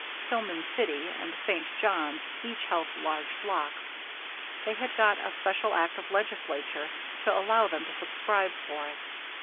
Tillman City and St. Johns each held large blocks; they had got a special act of legislature to allow them to subscribe for it.